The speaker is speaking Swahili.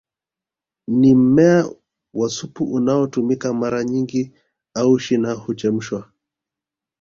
Ni mmea wa supu unaotumika mara nyingi au shina huchemshwa